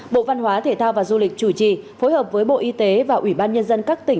bộ văn hóa thể thao và du lịch chủ trì phối hợp với bộ y tế và ủy ban nhân dân các tỉnh